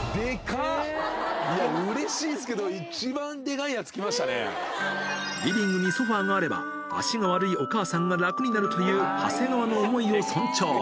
いや、うれしいですけど、リビングにソファがあれば、足が悪いお母さんが楽になるという長谷川の思いを尊重。